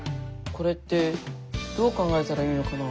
これってどう考えたらいいのかな？